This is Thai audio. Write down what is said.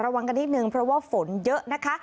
ระวังกันนิดนึงเพราะว่าฝนเยอะนะคะ